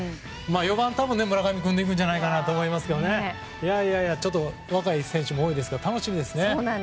４番、たぶん村上君でいくんじゃないかと思いますけど若い選手も多いですから楽しみですね。